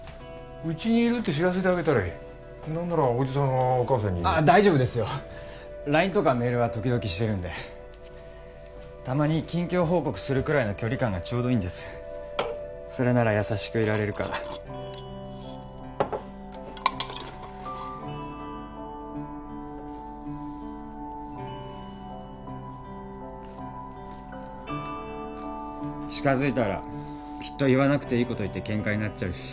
うちにいるって知らせてあげたらいい何ならおじさんがお母さんにああ大丈夫ですよＬＩＮＥとかメールは時々してるんでたまに近況報告するくらいの距離感がちょうどいいんですそれなら優しくいられるから近づいたらきっと言わなくていいこと言ってケンカになっちゃうし